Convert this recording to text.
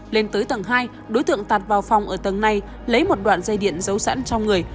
lên tới tầng hai đối tượng tạt vào phòng ở tầng này lấy một đoạn dây điện giấu sẵn trong người